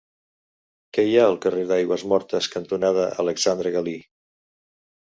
Què hi ha al carrer Aigüesmortes cantonada Alexandre Galí?